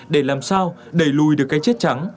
để làm sao đẩy lùi được cái chết trắng